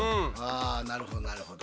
あなるほどなるほど。